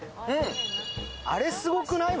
あれすごくない？